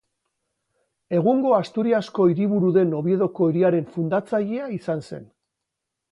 Egungo Asturiasko hiriburu den Oviedoko hiriaren fundatzailea izan zen.